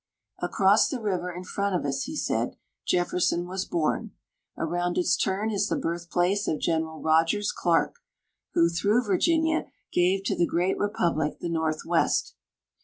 "Across the river in front of us," he said. "Jetterson was born ; around its turn is the birth l)lace of General Rogers Clarke, who, through Virginia, gave to the Great Republic the Northwest.